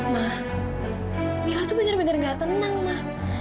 ma mila tuh bener bener nggak tenang ma